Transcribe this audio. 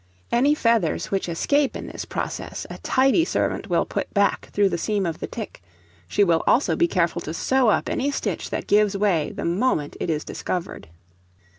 Any feathers which escape in this process a tidy servant will put back through the seam of the tick; she will also be careful to sew up any stitch that gives way the moment it is discovered.